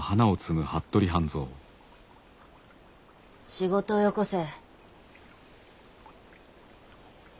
仕事をよこせ。